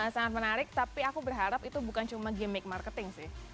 sangat menarik tapi aku berharap itu bukan cuma gimmick marketing sih